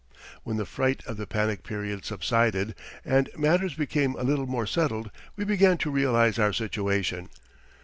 When the fright of the panic period subsided, and matters became a little more settled, we began to realize our situation.